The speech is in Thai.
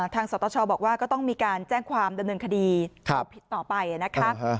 ทางสตชบอกว่าก็ต้องมีการแจ้งความดำเนินคดีต่อไปนะครับ